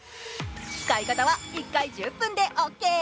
使い方は１回１０分でオーケー。